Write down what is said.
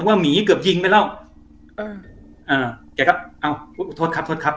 หมีเกือบยิงไปแล้วเอออ่าแกก็เอาโทษครับโทษครับ